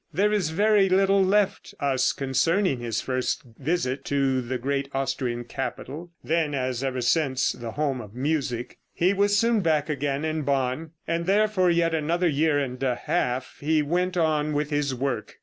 There is very little left us concerning his first visit to the great Austrian capital, then, as ever since, the home of music. He was soon back again in Bonn, and there for yet another year and a half he went on with his work.